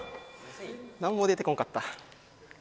何も出てこんかった。